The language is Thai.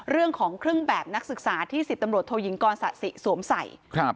เรื่องของเครื่องแบบนักศึกษาที่สิทธิ์ตำรวจโทยิงกรศสะสิสวมใส